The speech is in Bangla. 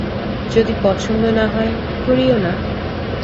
যদি পছন্দ না হয়, করিও না।